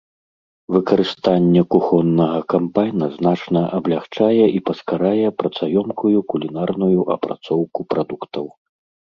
Выкарыстанне кухоннага камбайна значна аблягчае і паскарае працаёмкую кулінарную апрацоўку прадуктаў.